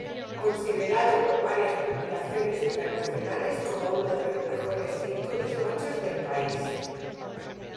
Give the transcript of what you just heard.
Considerado por varias publicaciones internacionales como uno de los mejores cinco despachos del País.